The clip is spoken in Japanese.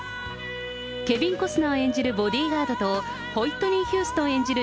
ケビン・コスナー演じるボディガードと、ホイットニー・ヒューストン演じる